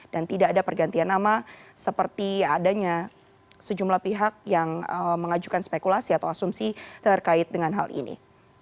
dan tidak ada pergantian nama seperti adanya sejumlah pihak yang mengajukan spekulasi atau asumsi terkait dengan hal ini